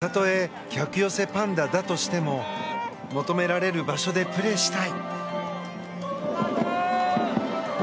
たとえ客寄せパンダだとしても求められる場所でプレーしたい。